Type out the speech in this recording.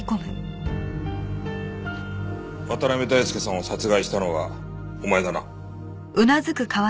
渡辺大介さんを殺害したのはお前だな？